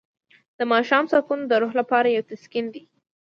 د ماښام سکون د روح لپاره یو تسکین دی.